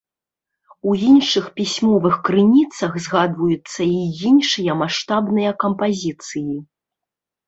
У іншых пісьмовых крыніцах згадваюцца і іншыя маштабныя кампазіцыі.